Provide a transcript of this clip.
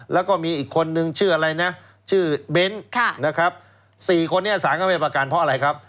แล้วก็มีอีกคนนึงชื่ออะไรนะชื่อเบ้นนะครับ๔คนนี้สารก็ไม่ประกันเพราะอะไรครับ